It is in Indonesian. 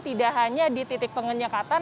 tidak hanya di titik penyekatan